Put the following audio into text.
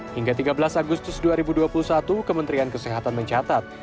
hingga tiga belas agustus dua ribu dua puluh satu kementerian kesehatan mencatat